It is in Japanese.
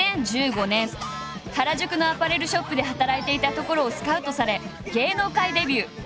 ２０１５年原宿のアパレルショップで働いていたところをスカウトされ芸能界デビュー。